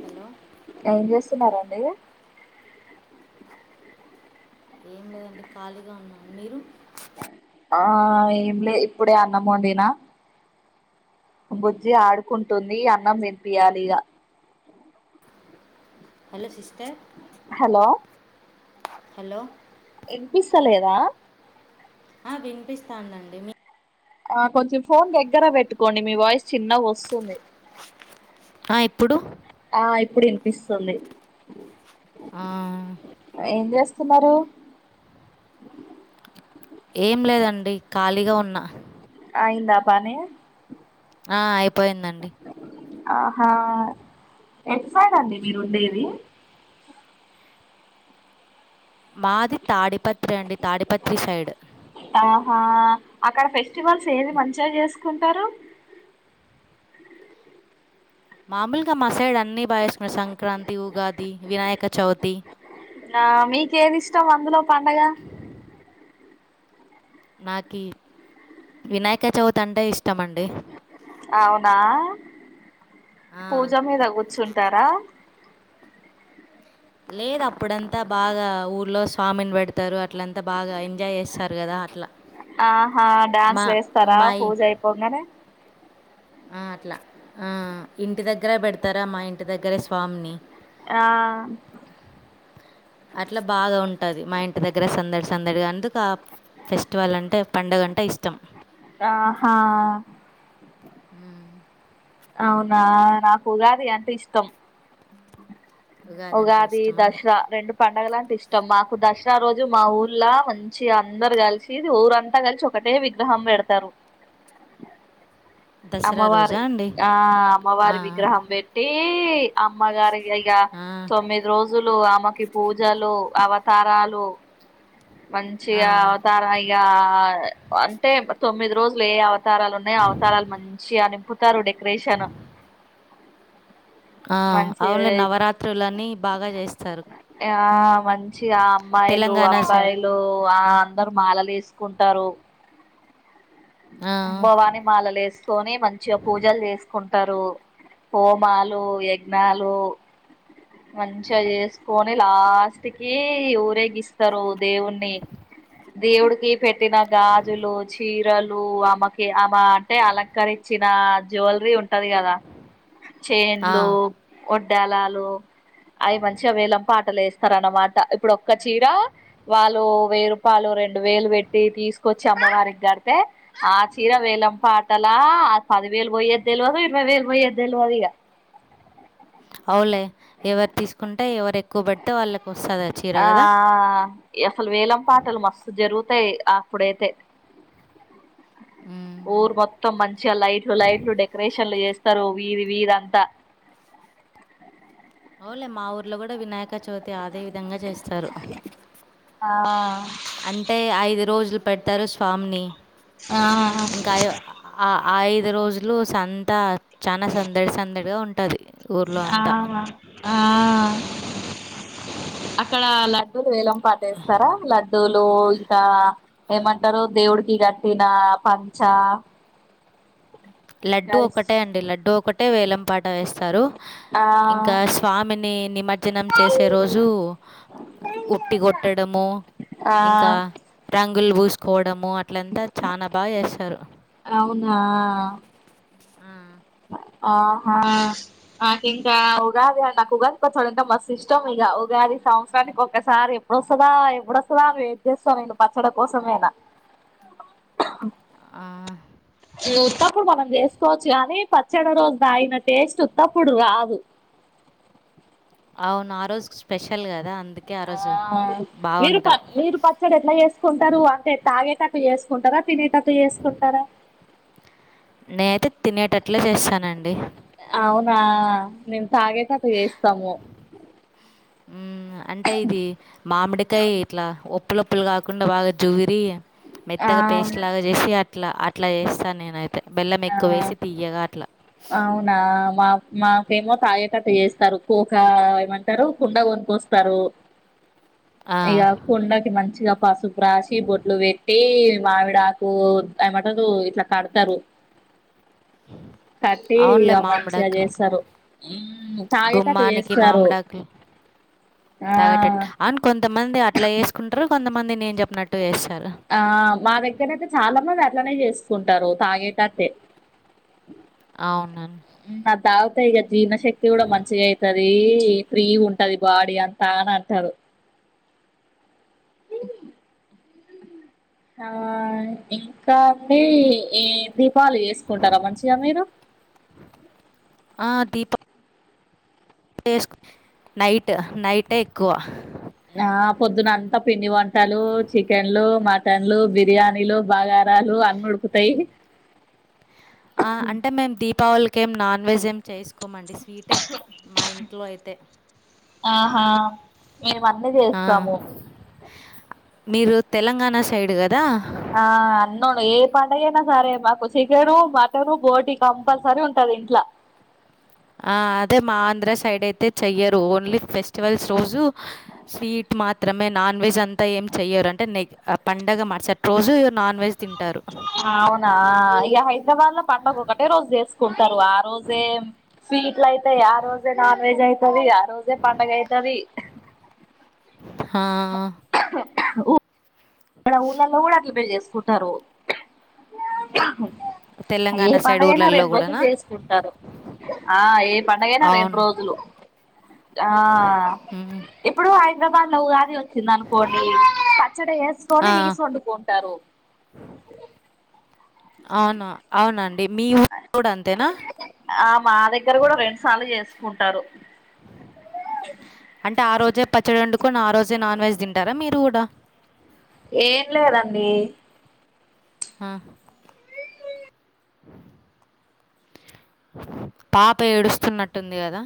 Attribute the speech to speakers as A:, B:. A: Hello
B: ఏం చేస్తున్నారండి
A: ఏం లేదండి ఖాళీగా ఉన్నాను మీరు
B: ఆ ఏం లే ఇప్పుడే అన్నముండనా బుజ్జి ఆడుకుంటుంది అన్నం వినిపియాలి ఇక
A: హలో సిస్టర్
B: హలో
A: హలో
B: వినిపిస్తలేదా
A: ఆ వినిపిస్తాందండి మీ
B: ఆ కొంచెం ఫోన్ దగ్గర పెట్టుకోండి మీ వాయిస్ చిన్న వస్తుంది
A: ఆ ఇప్పుడు
B: ఆ ఇప్పుడు వినిపిస్తుంది
A: ఆ
B: సుమారు
A: ఏం లేదండి ఖాళీగా ఉన్నా
B: అయిందా పానే
A: ఆ అయిపోయిందండి
B: ఆహా ఎక్సడ్ అండి మీరు ఉండేది
A: మాది తాడిపత్రి అండి తాడిపత్రి సైడ్
B: ఆహా అక్కడ ఫెస్టివల్స్ ఏది మంచిగా చేసుకుంటారు
A: మామూలుగా మసైడు అన్ని బా ఇష్టమే సంక్రాంతి ఉగాది వినాయక చవితి
B: ఆ మీకేది ఇష్టం అందులో పండగ
A: నాకి వినాయక చవితి అంటే ఇష్టమండి
B: అవునా
A: ఆ,
B: పూజ మీద కూర్చుంటారా
A: లేరు అప్పుడంతా బాగా ఊర్లో స్వామిని పెడతారు అట్లంతా బాగా ఎంజాయ్ చేస్తారు కదా అట్లా
B: ఆహా
A: మా
B: డ్యాన్స్లు వేస్తారా
A: మై
B: పూజ అయిపోంగనే
A: ఆ అట్లా ఆ ఇంటి దగ్గరే పెడతారా మా ఇంటి దగ్గరే స్వామిని
B: ఆ
A: అట్లా బాగా ఉంటది మా ఇంటి దగ్గర సందడి సందడిగా అందుకు ఫెస్టివల్ అంటే పడుగ అంటే ఇష్టం
B: ఆహా
A: హ్మ్
B: అవునా నాకు ఉగాది అంటే ఇష్టం
A: అంటే
B: ఉగాది
A: ఇష్టమా
B: దస్రా రెండు పండగలంటే ఇష్టం మాకు దస్రా రోజు మా ఊర్లా మంచిగా అందరు కలిసి ఊరంతా కలిసి ఒకటే విగ్రహం పెడతారు
A: దసరా
B: అమ్మవారు
A: రోజా అండి
B: ఆ
A: ఆ,
B: అమ్మవారి విగ్రహం పెట్టి అమ్మగారి ఇగ
A: ఆ,
B: తొమ్మిది రోజులు ఆమెకి పూజలు అవతారాలు
A: ఆ,
B: మంచిగా అవతార ఇయ్యా అంటే తొమ్మిది రోజులు ఏ అవత అవతారాలు ఉన్నాయి అవతారాలు మంచిగా నింపుతారు డెకరేషన్
A: ఆ
B: మంచిగా
A: అవున్లీ నవరాత్రులన్నీ బాగా చేస్తారు
B: ఆ మంచిగా అమ్మాయిలు అ
A: తెలంగాణ సైడ్
B: అబ్బాయిలు ఆ అందరు మాలలు వేసుకుంటారు
A: ఆ,
B: భవాని మాలలు ఏస్కోని మంచిగా పూజలు చేసుకుం టారు హోమాలు యజ్ఞాలు మంచిగా చేసుకొని లాస్ట్కి ఊరేగిస్తారు దేవుణి దవుడుకి ఫెటినా గాజులు చీర రాలు అమకి ఆమె అంటే అలంకరిచ్చిన జ్యువెలరీ ఉ ఉంటది కదా
A: ఆ,
B: చేన్లు వడ్డలాలు అయ్ మంచిగా వేళం పాటలేస్తరానమాట ఇప్పుడు ఒక్క చీర వాళ్ళు వెయ్యి రూపాయలు రెండు వేలు పెట్టి తీసుకొచ్చి అమ్మవారికి గడ్ తే ఆ చీర వేలం పాటలా పదివేలు పోయేది తెలవదు ఇరవై వేలు పోయ్యేద్ తెల్వదిగా
A: అవ్న్లే ఎవరు తీసుకుంటే ఎవరు ఎక్కువ పడితే వాళ్ళ
B: ఆ అసలు వేలం పాటలు మస్తు జరుగ్ తై అప్పుడైతే
A: ఉమ్.
B: ఊర్ మొత్తం మంచిగా లైట్లు లైట్లు డెకరేషన్లు చేస్ ఇస్తారు వీది విధంతా
A: ఓన్లే మా ఊర్లో కూడా వినాయక చవితి అదే విధంగా చేస్తారు
B: ఆ
A: అంటే ఐదు రోజులు పెడ్తారు స్వామిని
B: ఆ
A: ఇంకా ఐ- ఆ ఆ ఐదు రోజులు సంతా చాన సందడి సందడిగా ఉంటది
B: ఆ ఆ అక్కడ ల వేలం పాటేస్తారా లడ్డూలు ఇంకా ఏమంటారు దేవుడి ఇరటిిన పంచ
A: లడ్డుూ
B: గల్స్
A: ఒకటే అండి లడ్డుూ ఒకటే వేలంపాటి వేస్తారు
B: ఆ
A: ఇంకా స్వామిని నిమజ్జనం చేసే రోజు ఉట్టి కొట్టడము
B: ఆ
A: ఇంకా రంగ గులు పూసుకోవడము అట్లంతా చాలా బాగా చేస్తారు
B: అవునా
A: ఆ
B: ఆహా ఆక ఇంకా ఉగాద నాకు ఉగంత పడంత మస్ ఇష్టం ఇ ఉ అది సంవత్సరానికి ఒకక్కసారి ఎప్పుడుొస్తుందా ఎప్పుడుొస్తుందా వెయిట్ చేస్తాను నేను పచ్చడి కోసమేనా
A: ఆ
B: ఉత్తప్పుడు మనం చేసుకోవచ్చు కాని పచ్చడి రోజు తగన టేస్ట్ ఉత్తప్పుడు రాదు
A: అవును ఆ రోజు స్పెషల్ కదా అ
B: ఆ మీరు ప మీరు పచ్చడి ఎట్లా చేేసుకుంటారు అంటే తాగే తకు చేసుకుంటారా పిినేటకు చేసుకుంటారా
A: నేనైతే తినేటట్లే చేస్తానండి
B: అవునా నేను తాగే కథ చేస్తాము
A: అంటే ఇది మామిడికాయ ఇట్లా ఉప్పులొప్పులు కాకుండా బాగా జుగిరి
B: ఆ
A: మెత్తగా పేస్ట్ లాగా చేసి అట్లా అట్లా చేస్తా నేనైతే బెల్లం
B: ఆ
A: ఎక్కువవేసి తీయగా అట్లా
B: అవునా మా ఫేమో తాగే కటు చేస్తారు కోకా ఏమంటారు కుండ కొనికొస్తారు
A: ఆ!
B: ఇక కుండకి మంచిగా పసుపు రాసి బొట్లు పెట్టి మావిడకు అయ మాట ఇట్లా కడతారు కట్టి
A: అవునులే
B: ఇక మంచిగా
A: మామిడాకులు.
B: చేస్తారు తాగితే అట్ చేస్తారు ఆ
A: తాగటట్టు అని కొంతమంది అట్లా వసుకుంటారు కొంతమంది నేను చెప్ప
B: ఆ మా దగ్గర అయితే చాలా మంది అట్లనే చేస్తుంది కుంటారు తాగేట అదతే
A: అవునను
B: తాగుత ఇక జీర్ణశక్తి కూడా మంచిగా అయితది ఫ్రీ ఉంటది బాడీ అంతా అని అంటారు హ ఆ ఇంకా అడి ఏది పాలు చేసుకుంటారా మంచిగా మీరు
A: ఆ! దీపావళి నైట్ నైటే ఎక్కువ
B: ఆ పొద్దున్న అంతా పిండి వంటలు చికెన్లు మటన్లు బిర్యానీలు బాగా పదాలు అన్న ఉడుకుతాయి
A: ఆ అంటే మేం దీపావళికిేం నాన్ వెెజ్ ఏం చేసు ఒక్కమండి స్వీటే మా ఇంట్లో అయితే
B: ఆహా మేము అన్నీ
A: ఆ,
B: చేస్తాము
A: మీరు తెలంగాణ సైడ్గా
B: ఆ అన్నోను ఏ పాడయనా సరే మాకు చికెను మటను బోటి కంపల్సరీ ఉంటది ఇంట్లో
A: ఆ అదే మా ఆంధ్ర సైడ్ అయితే చెయ్యరు ఓన్లీ ఫెస్టివల్స్ రోజు స్వీట్ మాత్ర మాత్రమే నాన్ వెజ్ అంతా ఏం చెయ్యరు అంటే నె పంండగ మటి రోజు నాన్ వెజ్ తింటారు
B: అవునా ఇక హైదరాబాద్ లో పంటగ ఒకటే రోజు చేసుకుంటారు ఆ రోజే స్వీట్లు అయితాయి ఆ రోజే నాన్ వెజ్ అవుతుంది ోసే పండగైతది
A: ఆ
B: ఊ ఊలలో ఊలు బే చేేసుకుంటారు ఏ
A: తెలంగాణ సైడ్
B: పడుగైనా
A: ఊర్లలో
B: రెండు రోజులు
A: కూడానా
B: చేసుకుంటారు ఆ ఏ పండగైనా రెండు
A: అవును
B: రోజులు ఆ
A: ఉమ్.
B: ఇప్పుడు ఆ హైదరాబాద్ లో ఉగాది వచ్చింది అనుకోండి పచ్చడి వే
A: ఆ,
B: తని వసు వండుకుంటారు
A: అవును అవునండి మీ ఊరు కూడా అంతేనా
B: ఆ మా దగ్గర కూడా రెండు సార్లు చేసుకుంటారు
A: అంటే ఆ రోజే పచ్చడి వండుకుని ఆ రోజే నాన్ వెజ్ తింటారా మీరు కూడా
B: ఏం లేదండి
A: ఆా పాప ఏడుస్తున్నట్టుంది కదా